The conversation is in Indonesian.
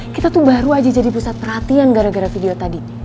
kita tuh baru aja jadi pusat perhatian gara gara video tadi